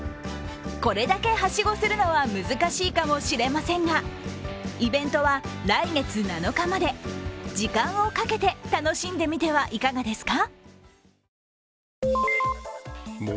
これだけはしごするのは難しいかもしれませんがイベントは、来月７日まで時間をかけて楽しんでみてはいかがですか？